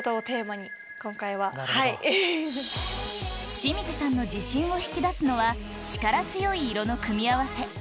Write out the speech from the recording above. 清水さんの自信を引き出すのは力強い色の組み合わせ